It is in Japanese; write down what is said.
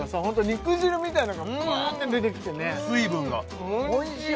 肉汁みたいな感じブワーって出てきてね水分がおいしい！